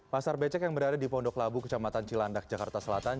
pasar becek yang berada di pondok labu kecamatan cilandak jakarta selatan